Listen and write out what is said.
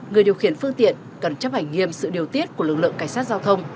người điều khiển phương tiện cần chấp hành nghiêm sự điều tiết của lực lượng cảnh sát giao thông